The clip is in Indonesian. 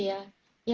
ya mungkin pertama ya